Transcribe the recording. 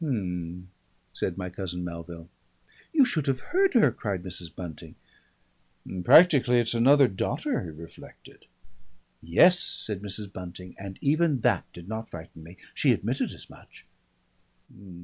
"Um," said my cousin Melville. "You should have heard her!" cried Mrs. Bunting. "Practically it's another daughter," he reflected. "Yes," said Mrs. Bunting, "and even that did not frighten me. She admitted as much."